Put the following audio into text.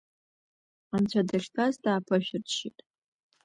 Анцәа дахьтәаз дааԥышәырччеит…